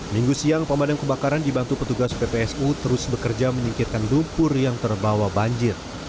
minggu siang pemadam kebakaran dibantu petugas ppsu terus bekerja menyingkirkan lumpur yang terbawa banjir